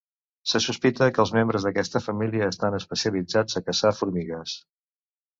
Se sospita que els membres d'aquesta família estan especialitzats a caçar formigues.